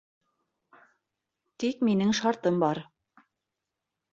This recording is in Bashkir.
Тик минең шартым бар.